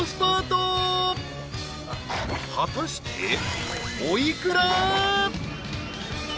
［果たしてお幾ら？］